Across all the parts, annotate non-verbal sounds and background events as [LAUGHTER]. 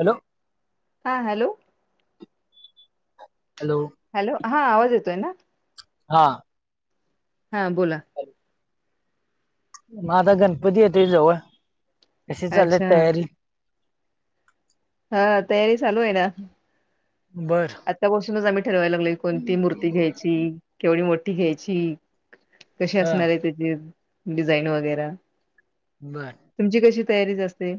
Hello हा hello hello hello हा आवाज येतोय ना हा हा बोला मग आता गणपती येतोय जवळ कशी चालल अच्छा तयारी [INAUDIBLE] हा तयारी चालू आहेय ना बर आतापासूनच आम्ही ठरवायला लागलोय कोणती मूर्ती घ्यायची केवढी मोठी घ्यायची कशी ह असणार आहे त्याची डिझाईन वगैरा बर तुमची कशी तयारीच असते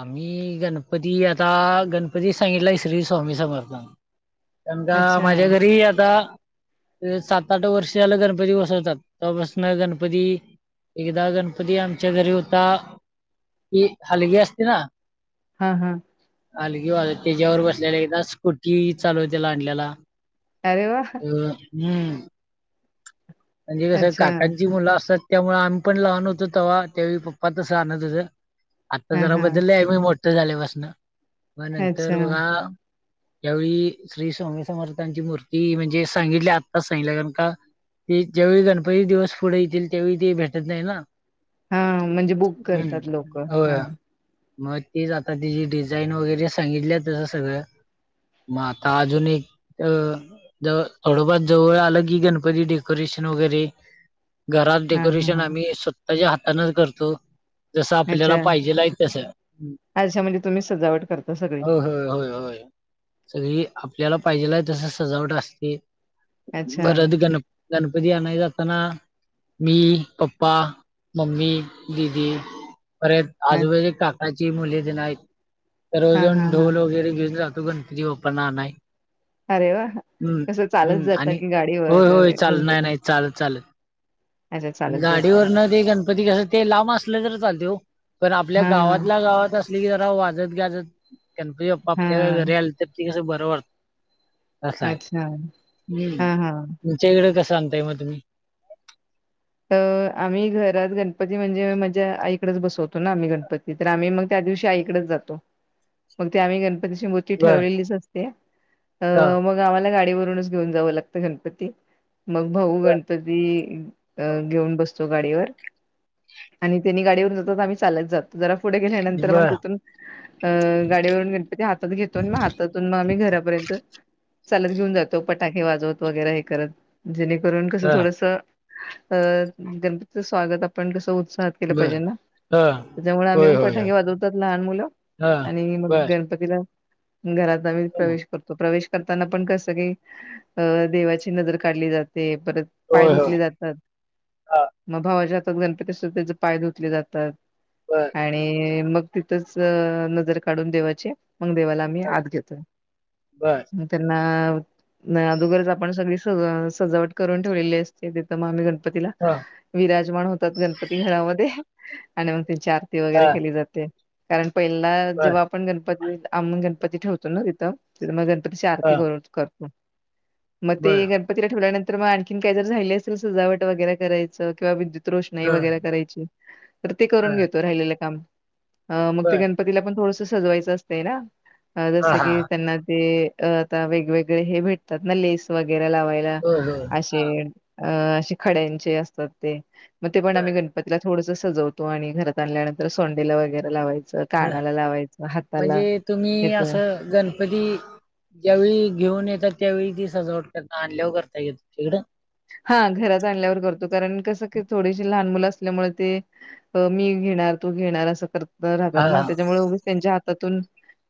आम्ही गणपती आता गणपती सांगितलाय श्री स्वामी समर्थां कारण का अच्छा माझ्या घरी आता सात आठ वर्ष झालं गणपती बसवतात तवापासनं गणपती एकदा गणपती आमच्या घरी होता की हलगी असते ना हा हा हलगी त्याच्यावर बसलेला एकदा स्कूटी चालवतेला आणल्याला अरे वा हम्म म्हणजे कसं अच्छा काकांची मुलं असतात त्यामुळे आम्ही पण लहान होतो तवा त्यावेळी पप्पा तसं आणत होतं आत्ता हा जरा हा बदललंय आम्ही मोठं झाल्यापासनं मग नंतर अच्छा बघा यावेळी श्री स्वामी समर्थांची मूर्ती म्हणजे सांगितली आत्ताच सांगितल्या कारण का ते ज्यावेळी गणपतीचं दिवस पुढं येतील त्यावेळी ते भेटत नाही ना हा म्हणजे बुक करतात हम्म लोक होय हा मग तीच आता तिची डिझाईन वगैरे सांगितल्या तसं सगळं मग आता अजून एक अ थोडंफार जवळ आलं की गण पती डेकोरेशन वगैरे घरात हा हा डेकोरेशन हा आम्ही स्वत ताच्या हातानच करतो जसं आपल्याला अच्छा पाहिजेल आहे तसं अच्छा म्हणजे तुम्हीच सजावट करता सगळी होय होय होय होय सगळी आपल्याला पाहिजेल आहे तस सजावट असते अच्छा. परत गण गणपती आनाय जाताना मी, पप्पा, मम्मी, दिदी परत हा आजूबाजीची काकाची मुले तेन हायेत, हा सर्वजन हा हा ढोल वगैरे घेऊन जातो. त गणपती बाप्पांना आणाय. अरे वा! हम्म कसं चालत हम्म जाता आणि की गाडी होय होय वगैरे? चाल घेऊन जाता? नाही नाही, चालत चालत अच्छा चालत जाताय. गाडीवरनं ते गण पती कसं ते लांब असलं तर, चालतंय ओ पण आपल्या हां, गावातल्या गावात आस लं की, जरा वाजत गाजत गणपती बाप्पा आपल्या हां. घरी आले तर, ते कसं बरं वाटतंय. आसं हाय, अच्छा. उम् हां, हां. उम ह. त कसं आणताय मग तुम्ही? अ आम्ही घरात गणपती म्हणजे माझ्या आईकडच बसवतो ना, आम्ही गणपती तर आम्ही मग त्या दिवशी आईकडच जातो. मग ते आम्ही गण पतीची मूर्ती बर ठरवलेलीच असते, अ हा मग गावाला गाडीव रूनच घेऊन जाव लागतं गणपती, मग भाऊ गणपती अ घेऊन बसतो गाडीवर आणि तेनी गाडीवरून जातात. आम्ही चालत जातो. जरा पुढे गेल्यानंतर मग बर तिथून अ गाडीवरून गणपती हातात घेतो आणि मग हातातून मग आम्ही घ रापर्यंत चालत घेऊन जातो, फटाके वाजवत वगैरा हे करत, जेणेकरून कसं हा थोडंसं अ गणपतीचं स्वागत आपण कसं, उत्साहात केलं बर पाहिजे ना. हा त्याच्यामुळे आम्ही होय मग होय होय. फटाके वाजवतात लहान मुलं हा आणि मग बर गणपतीला घरात आम्ही प्रवेश करतो. प्रवेश करताना पण कसं काही अ देवाची नजर काढली जाते, परत पाय होय होय धुतले जा तात, हा मग भावाच्या हातात गणपती असतो त्याचे पाय धुतले जातात. बर आणि मग तिथंच नजर काढून देवाची मग देवाला आम्ही हा आत घेतोय. बर मग त्यांना नाही अदोगरच आपण सगळी स सजावट करून ठेवलेली असते. तिथं मग आम्ही गण पतीला हा विराजमान होतात गणपती घरामध्ये आणि त्यांची आरती हा वगैरे केली जाते, कारण पहिला बर जेव्हा आपण गण पती आणुन गणपती ठेवतो ना तिथं, तिथं मग गणपती ची आरती हा करून करतो. मग ते बर गणपतीला ठेवल्यानंतर मग आणखीन काय तर, राहीली असेल सजावट वगैरे करायचं किंवा विद्यु त रोषणाई हा वगैरे करायची, तर ते हा करूंन घेतो राहिलेलं काम. अ मग ते बर गणपतीला पण थोडसं सजवायचं असतंय ना, हा जसं हा की त्यांना ते अ अ आता वेगवेगळे हे भेटतात ना, लेस वगैरे लावायला होय होय अशी हा अ असे खड्यांचे असतात ते, मग ते पण आम्ही बर गणपतीला थोडसं सजवतो आणि घरात आणल्यानंतर सोंडेला वगैरे लावायचं, हा कानाला लावायचं. हाताला. म्हणजे तुम्ही येतं. आसं गणपती, ज्यावेळी घेऊन येतात. त्या वेळी ती सजावट आणल्यावर करता येत इकडं. हा घरात आणल्यावर करतो. कारणं कसं की, थोडीशी लहान मुल अस असल्यामुळं ते कणी मग ते मी घेणार, तू घेणार अस कर राहतात हा ना, हा त्याच्यामुळे उगीच त्यांच्या पाठोपाठ त्यातूनी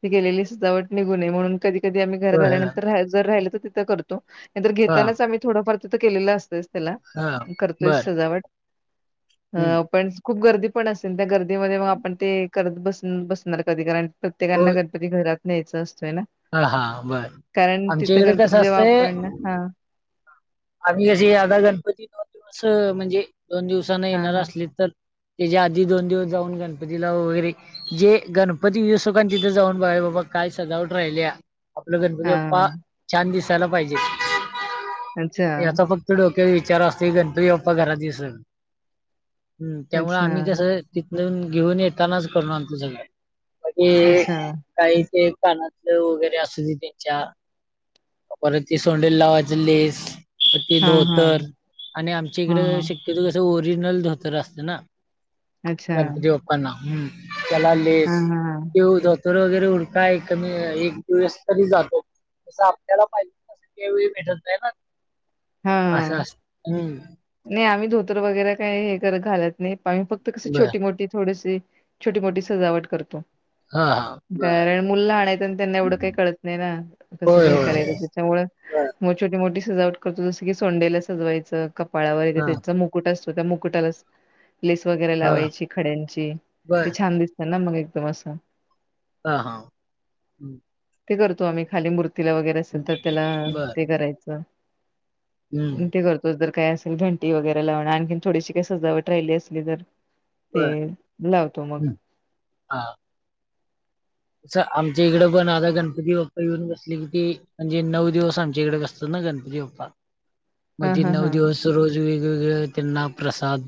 ती केलेली सजावट निघू नये म्हणून कधी कधी आम्ही घरात होय होय आल्यानंतर ऱ्हायला जर राहिलं तर तिथं करतो. नाही तर हा घेतानाच आम्ही थोडंफार तिथं केलेलं असतयचं त्याला, हा करतोयच बर सजावट. अ हम्म - पण खूप गर्दी पण असेल. त्या गर्दीमध्ये मग आपणं ते करत बस बसणार कधी. कारण प्रत्येकांना होय गणपती घरात न्यायचं अस तोय ना. हा हा बर कारण आमच्या तिथं इकडे गणपती कसं जेव्हा असतंय आपण, हा आम्ही अशी आता गणपती दोन दिवस म्हणजे, दोन दिवसांन हा येणार हा असली तर त्याच्या आधी दोन दिवस जाऊन गणपतीला वगैरे, जे गणपती [UNINTELLIGIBLE] तिथे जाऊन बघायचं बाबा काय सजावट राहिल्या, आपलं गणपती हा बाप्पा, छान दिसायला पाहिजे. अच्छा याचा फक्त विचार असतो गणपती बाप्पा घरात दिसलं, त्यामुळे अच्छा आम्ही कसं जाऊन घेऊन येतानाच करून आनतु सगळं, म्हणजे अच्छा काही ते कान वगैरे अस त्यांच्या, परत ते सोंडेला लावायच लेस. ती हा हा धोतर, आणि आमच्याहीकडं हा शक्यतो कसं ओ रीजिनल धोतर असतं ना, अच्छा गणपती बाप्पांना. त्याला हा लेस, हा कि धोतर वगैरे हुडकाय काय कमी एक दिवस तरी जातो, तसं आपल्याला पाहिजे तसं त्या वेळी भेटतं नाही ना‌. हा असं असतं. हम् नाही आम्ही धोतर वगैरे काही हे करतं घालतं नाही. पण फक्त कशी बर छोटी मोठी थोडीशी छोटी मोठी सजावट करतो. हा, हा बर कारण मुलं लहान येतं आणि त्यांना एवढं काही कळतं नाही ना, कसं होय काय हे करायचं होय बर त्यांच्यामुळे छोटी मोठी सजावट करतो. जसं की सोंडेला सजवायच, कपाळावर ही हा त्यांचा मुकुट असतो त्या मुकुटाला लेस वगैरे हा लावायची खड्यांची, बर ते छान दिसतं ना मग एकदम असं. हा, हा, हम् ते करतो आम्ही, खाली मूर्तीला वगैरे असेल तर त्याला ते बरं. करायचं. पण हं, ते करतोच जर काय असं घंटी वगैरे लावूणं, आणखी थोडीशी काही सजावट राहिली असली तर ते, लावतो मग. हा. तसं आमच्या हिकडं पण आता गणपती बाप्पा येऊन बसले होते, म्हणजे नऊ दिवस आमच्या हिकडचं असतात. गणपती बाप्पा. हां, मधी हां, नऊ हां. दिवस, रोज वेगवेगळे त्यांना प्रसाद.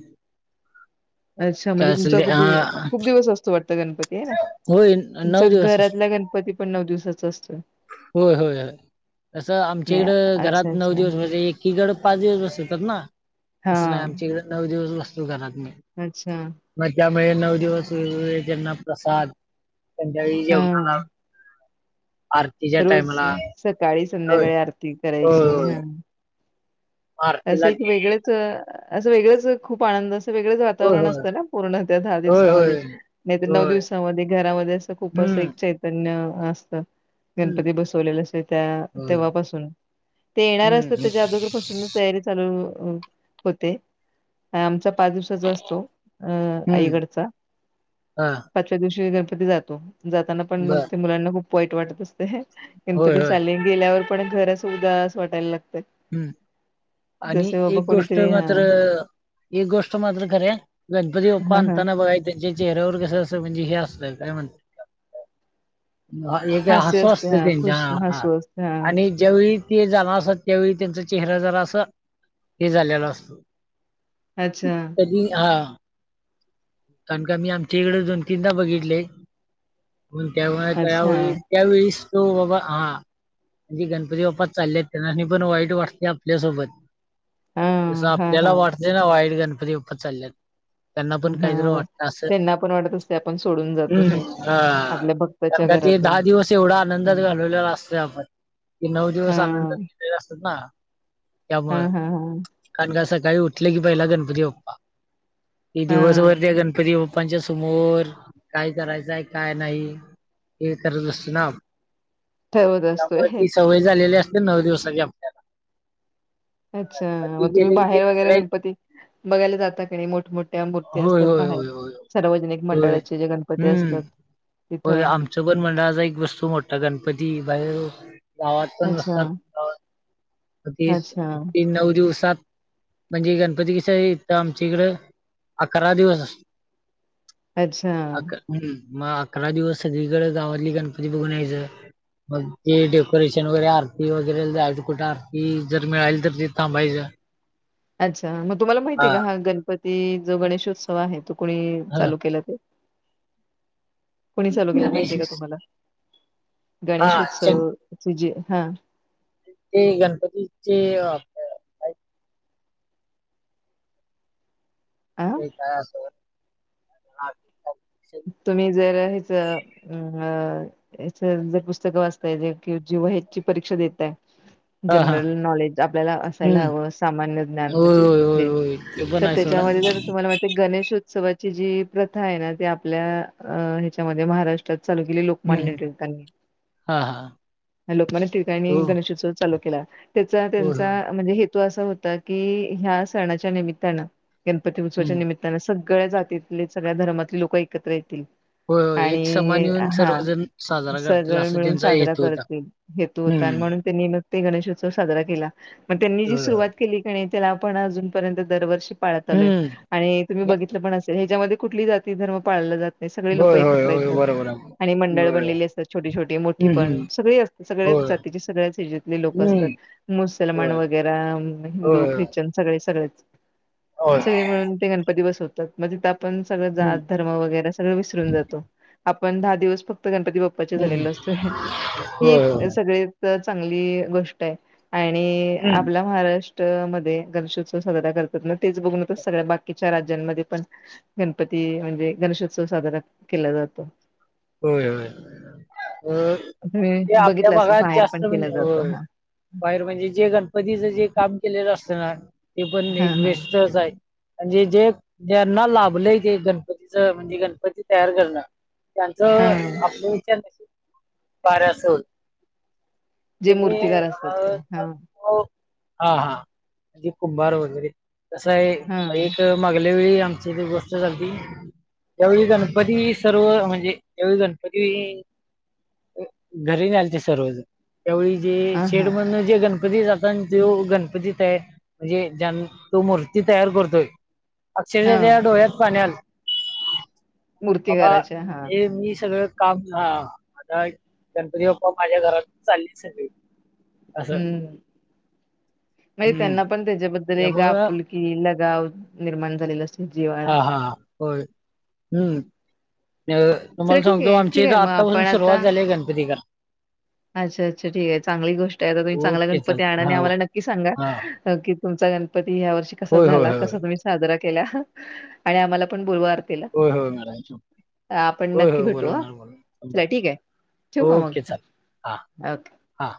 अच्छा! म्हणजे काय असेल ते तुमच्याकडे हां. खूप दिवस असतो वाटत? गणपती, होय, तुमच्या दिवस असतो. घरातल्या गणपती पण नऊ दिवसाचाच होय, होय, हाय. तसं आमच्या नाही. इकडं अच्छा, घरात नऊ अच्छा. दिवस म्हणजे, एकीकडं पाच दिवस बसतात ना? तसं नाही, हां. आमच्या इकडे नऊ दिवस अच्छा! मुळे नऊ दिवस वेगवेगळ्या त्यांना प्रसाद, संध्याकाळी जेवताना. हां. रोज सकाळी होय. संध्याकाळी आरती करायची. होय, होय. हा असं आरतीला एक ते वेगळेच, असं वेगळेच खूप आनंद असत. वेगळच होय वातावरण असतं होय ना, पूर्ण त्या दहा होय दिवसामध्ये होय नाही तर, नऊ होय दिवसांमध्ये घरामध्ये असं खूप हम्म एक चैतन्य असतं. हम्म गणपती बसवलेला असतो त्या होय तेव्हापासून, ते येणार असतात हम्म त्याच्या अदोगरपासूनच चालू होते. आणि आमच्या पाच दिवसाचा असतो. अ हम्म आईकडचा हा पाचव्या दिवशी गण जातो, जाताना पण बर मग मुलांना खूप वाईट वाटत असते. होय गणपती होय चालले गेल्यावर पण घर असं, उदास वाटायला लागतं. हम् आणि एक गोष्ट कोणीतरी हा मात्र अ एक गोष्ट मात्र खरंय गणपती बाप्पा हा हा आणताना, बघायचं त्यांच्या चेहऱ्यावर कसं असं म्हणजे हे असं काय म्हणता [UNINTELLIGIBLE] एक हास्य हसू असते हा असतं, त्यांच्या खुश हसू असते हा आणि ज्यावेळी ते जाणार असतात, त्यावेळी त्यांचा चेहरा जरा असं हे झालेला असतो. अच्छा कधी, हा कारण, का मी आमच्या इकडे दोन तीनदा बघितले तेव्हा अच्छा त्यावेळेस त्यावेळीस तो बाबा हा म्हणजे गणपती बाप्पा चाललेत, त्यांना पण वाईट वाटते आपल्यासोबत हा जसं हा आपल्याला हा वाटतंय ना, वाईट गणपती बाप्पा चाल्यात. त्यांना आपण कायजर हा वाटलं असं, त्यांना पण वाटत असते आपण सोडून जातो हम्म हे हा. आपल्या कारणं भक्ताच्या का ते घरातून दहा दिवस एवढा आनंदात हं. घालवलेला असतोय आपण, की नऊ हा दिवस आनंदात गेलेले असतात ना. हा त्यामुळं, हा हा कारण का सकाळी उठले की पहिला गणपती बाप्पा. ही हा दिवसभर त्या गणपती बप्पांच्या समोर, काय करायचंय काय नाही हे करत असतो ना. ठरवत त्यामुळ असतोय ती सवय झालेली नऊ दिवसाची आपल्याला. अच्छा, मग म ती तुम्ही गेले की ते बाहेर वगैरे दुसऱ्या गणपती बघायला जाता का नाही? मोठमोठ्या मूर्ती अस होय होय बाहेर. होय होय सार्वजनिक होय मंडळाचे जे गणपती हम्म असतात. होय. तिथं आमच्या पण मंडळाचा एक बसतो मोठा गणपती बाहेर. गावात पण अच्छा बसतात [UNINTELLIGIBLE] तीस अच्छा ती नऊ दिवसात म्हणजे गणपती कसं इथं आमच्या इकडं, अकरा दिवस अस अच्छा. मग अकरा दिवस सगळीकड गावातली गणपती बघून यायचं. मग ते डेकोरेशन वगैरे, आरती वगैरे जायचं कुठ आरती जर मिळाली तर तिथं थांबायचं. अच्छा हा मग तुम्हाला माहिती आहे का? हा गणपती जो गणेशोत्सव आहे तो कुणी ह चालू केला ते. कोणी चालू गेला गणेश माहितीय का तुम्हाला? हा गणेश शं- उत्सव चं जे हा ते गणपतीचे आपलं काय ते अ ते काय आठवना [UNINTELLIGIBLE] तुम्ही जर हे अ -जर ह्याच पुस्तकं वाचताय, जे की जीवहेची परीक्षा देताय हा जनरल नॉलेज आपल्याला हम्म असायला हवं. सामान्य ज्ञान होय म्हणजे होय होय जे होय ते पण तर आहे सोडा त्याच्यामध्ये जर तुम्हाला माहितेय, गणेश उत्स उत्सवाची जी प्रथा आहे ना ती आपल्या अ- ह्याच्यामध्ये महाराष्ट्रात चालू केली लोकमान्य हम्म टिळकांनी. हा हा लोकमान्य टिळकांनी हो गणेशोत्सव चालू केला. त्याचा होय त्यांचा होय म्हणजे हे हेतू असा होता की, ह्या सणाच्या निमित्तानं, गणपती उत्सवाच्या हम्म निमित्तानं. सग सगळ्या जातीतले सगळ्या धर्मातले लोक एकत्र येतील होय होय एक समान आणि येऊन हा सर्वजण साजरा करतील सरळ असा मिळून त्यांचा साजरा हेतू होता करतील हेतू होता हम्म म्हणून त्यांनी ते गणेशोत्सव साजरा केला मग त्यांनी जी होय होय सुरुवात केली त्याला आपण अजूनपर्यंत दरवर्षी पाळत आलोय हम्म आणि तुम्ही बघितलं पण असेल ह्याच्यामध्ये कुठली जाती धर्म पाळला जात सगळे लोकं होय होय एकत्र होय येतात. बरोबर आणि आहे मंडळ होय बनलेली असतात छोटी छोटी, मोठी हम्म पण. हम्म सगळे असतात सगळ्याच होय जातीचे सगळ्याच हेच्यातली लोक असतात. हम्म मुस्लमान होय वगैरे आ हिंदू होय ख्रिश्चन सगळे सगळेच होय सगळे मिळून ते गणपती बसवतात मग तिथ आपण सगळं हम्म जात दमा वैगेरे सर्व विसरून जातो आपण दहा दिवस फक्त गणपती बाप्पा हम्म झालेल असतोय ही होय होय सगळ चांगली गोष्ट आहे आणि हम्म आपला महाराष्ट्र मध्ये गणेशोत्सव साजरा करतात ना तेच बघून सगळ्या बाकीच्या राज्यांमध्ये पण गणपती म्हणजे गणेशोत्सव साजरा केला जातो होय होय म्हणजे तुम्ही आपल्या बघितलं असेल भागात बाहेर पण जास्त केला म्हणजे जातो हो हा बाहेर म्हणजे जे गणपतीच जे काम केलेलं असत ना ते पण हा एक हा व्यस्तच आहे म्हणजे जे ज्यांना लाभलंय ते गणपतीच म्हणजे गणपती तयार करणं त्यांचं हा आपण विचार [UNINTELLIGIBLE] कार्य अस हो त जे मूर्तिकार असतात ते हा आम हा हा म्हणजे कुंभार वगैरे तसं आहे हा एक माग त्यावेळी आमची गोष्ट त्यावेळी गणपती सर्व म्हण या वेळी गणपती घरी न आलते सर्वज त्यावेळी जे हा शेड हा म्हण जे गण गणपती जाताना तो गणपती तया म्हणजे ज्यां तो मूर्ती तयार करतोय हा अक्षरश त्या डोळ्यात पाण्याल मूर्ती करााच्या हा हे मी सगळं काम हा आता गणपती बाप्पा माझ्या घरात चालले सगळे असं हम्म म्हणजे हम्म त्यांना पण त्याच्याबद्दल एक त्यामुळं आपुलकी गाव निर्माण झालेलं असत जिव्हाळा हा हा हा होय हम्म चला तुम्हाला ठीक सांगतो आहे आमच्या ठीक च इथ आहे मग आत्तापासून आपण सुरुवात आता झालीय गणपती करायला अच्छा अच्छा ठीक आहे चांगली गोष्ट आहे. तुम्ही चांगला ओके चाल गणपती आणा आणि हा हो आम्हाला नक्की सांगा. हा की तुमचा गणपती ह्यावर्षी कसा होय होय झाला होय कसा तुम्ही साजरा केला आणि आम्हाला पण बोलवाल होय होय मॅडम आपण होय नक्की होय भेटू ह बोलवणार चला बोलवणार ठीक आहे ठेवू का ओके मग चालेल हा ओके. हा